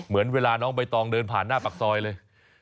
เหมือนเวลาน้องใบตองเดินผ่านหน้าปากซอยเลย